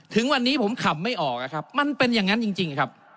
ถึงวันนี้ผมขำไม่ออกนะครับมันเป็นอย่างนั้นจริงครับ